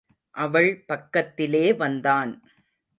அவள் பக்கத்திலே வந்தான்.